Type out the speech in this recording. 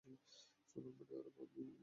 Superman আর আমি অবিচ্ছেদ্য।